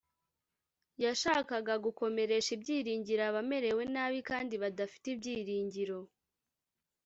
Yashakaga gukomeresha ibyiringiro abamerewe nabi kandi badafite ibyiringiro